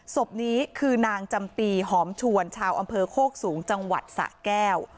ศพนี้คือนางจำปีหอมชวนชาวอำเภอโคกสูงจังหวัดสะแก้ว